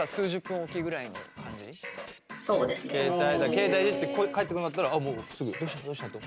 携帯いじって返ってこなかったらもうすぐどうしたどうしたって。